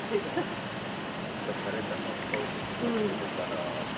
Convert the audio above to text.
ちょっと枯れた葉っぱをちょっと刈っとこうかなと。